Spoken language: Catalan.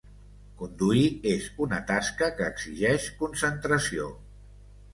Conduir és una tasca que exigeix concentració.